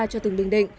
cho tỉnh bình định